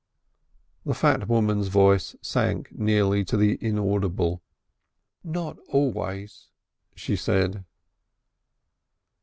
The fat woman's voice sank nearly to the inaudible. "Not always," she said.